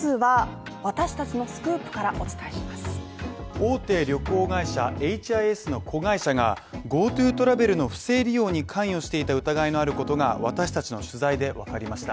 大手旅行会社エイチ・アイ・エスの子会社がＧｏＴｏトラベルの不正利用に関与していた疑いのあることが私達の取材でわかりました。